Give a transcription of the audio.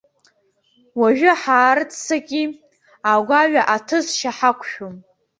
Уажәы ҳаарццаки, агәаҩа аҭысшьа ҳақәшәом.